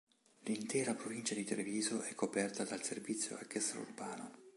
L'intera provincia di Treviso è coperta dal servizio extraurbano.